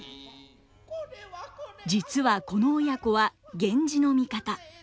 実はこの親子は源氏の味方。